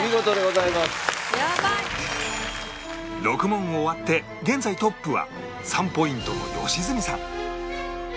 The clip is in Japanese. ６問終わって現在トップは３ポイントの良純さん